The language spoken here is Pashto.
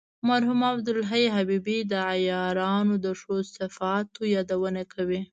مرحوم عبدالحی حبیبي د عیارانو د ښو صفاتو یادونه کوي.